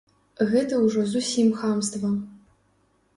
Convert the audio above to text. Гэта ўжо зусім хамства.